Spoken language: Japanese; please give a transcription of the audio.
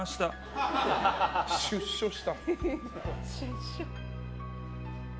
出所した。